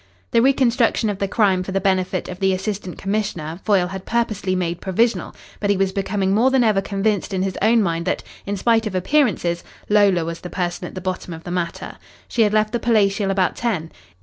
The reconstruction of the crime for the benefit of the Assistant Commissioner, Foyle had purposely made provisional, but he was becoming more than ever convinced in his own mind that, in spite of appearances, Lola was the person at the bottom of the matter. She had left the Palatial about ten.